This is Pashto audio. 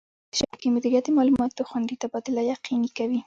د شبکې مدیریت د معلوماتو خوندي تبادله یقیني کوي.